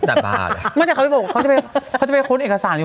เชื่อว่าเขาเชื่อว่าเขาเชื่อเอาคุณคุณค่ะเขาเชื่อว่าเขาเชื่อว่าเขาเชื่อ